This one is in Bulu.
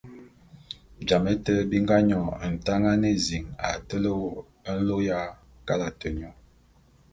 Jame té bi nga nyòn Ntangan ézin a tele wô nlô ya kalate nyô.